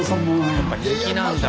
やっぱ人気なんだ。